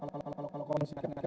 kalau kalau kalau kalau